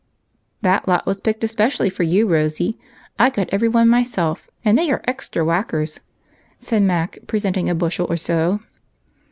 " That lot was picked especially for you, Rosy. I got every one myself, and they are extra whackers," said Mac, presenting a bushel or so.